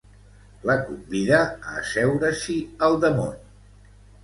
La convida a asseure-s’hi al damunt.